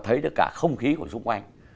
và thấy được cả không khí của xung quanh